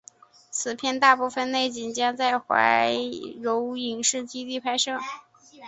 此片大部分内景将在怀柔影视基地拍摄。